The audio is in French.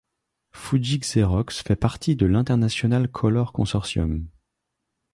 Fuji Xerox fait partie de l'International Color Consortium.